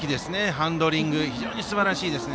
ハンドリングがすばらしいですね。